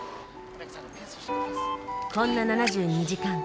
こんな「７２時間」